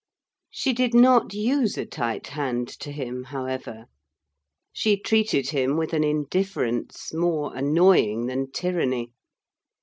She did not use a tight hand to him, however. She treated him with an indifference more annoying than tyranny.